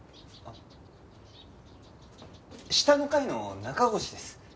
あっ下の階の中越です。